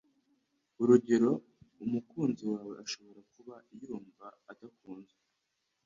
urugero umukunzi wawe ashobora kuba yumva adakunzwe